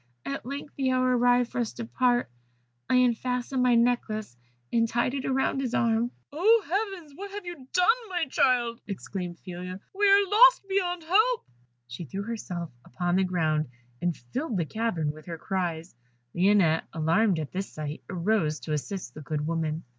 At length the hour arrived for us to part, I unfastened my necklace, and tied it round his arm " "Oh, heavens! what have you done, my child?" exclaimed Phila. "We are lost beyond help." She threw herself upon the ground, and filled the cavern with her cries, Lionette, alarmed at this sight, arose to assist the good woman.